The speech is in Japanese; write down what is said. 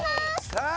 さあ